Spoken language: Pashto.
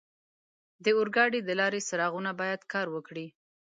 د اورګاډي د لارې څراغونه باید کار وکړي.